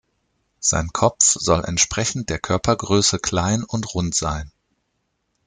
Sein Kopf soll entsprechend der Körpergröße klein und rund sein.